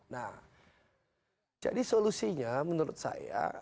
nah jadi solusinya menurut saya